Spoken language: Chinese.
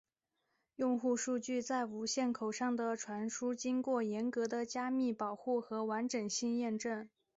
用户数据在无线口上的传输经过严格的加密保护和完整性验证。